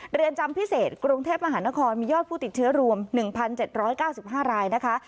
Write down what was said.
เรือนจำพิเศษกรุงเทพมหานครมียอดผู้ติดเชื้อรวม๑๗๙๕รายนะคะ